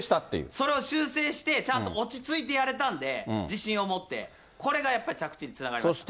それ修正してちゃんと落ち着いてやれたんで、自信を持って、これがやっぱり着地につながりました。